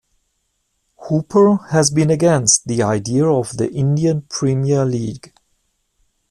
Hooper has been against the idea of the Indian Premier League.